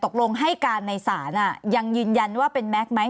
ตกลงให้การในศาลยังยืนยันว่าเป็นแม็กซ์ไหม